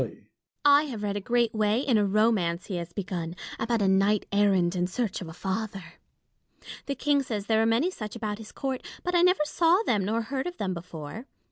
I have read a great way in a roiuance he ^OSSUET AND THE DUCHESS. 73 has begun, about a knight errant in search of a father. The King says there are many such about his court ; but I never saw them nor heard of them before.